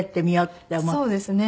そうですね。